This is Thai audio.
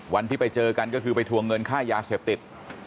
วันที่ไปเจอกันก็คือไปทวงเงินค่ายาเสพติด